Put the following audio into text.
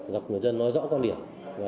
gặp người dân nói rõ quan điểm